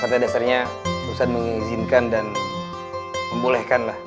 kata dasarnya perusahaan mengizinkan dan membolehkan lah